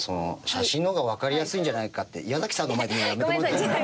写真の方がわかりやすいんじゃないかって矢崎さんの前で言うのやめてもらっていいですか？